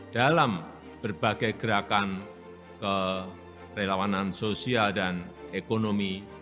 dalam berbagai gerakan kerelawanan sosial dan ekonomi